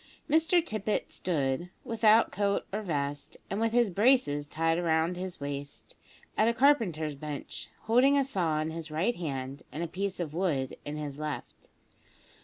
Mr Tippet stood, without coat or vest, and with his braces tied round his waist, at a carpenter's bench, holding a saw in his right hand, and a piece of wood in his left.